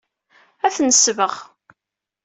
Ad t-nesbeɣ.